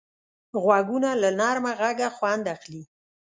غوږونه له نرمه غږه خوند اخلي